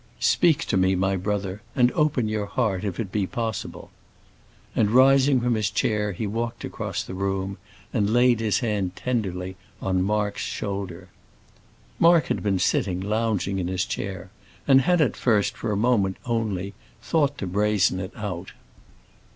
"Speak to me, my brother, and open your heart if it be possible." And rising from his chair, he walked across the room, and laid his hand tenderly on Mark's shoulder. Mark had been sitting lounging in his chair, and had at first, for a moment only, thought to brazen it out.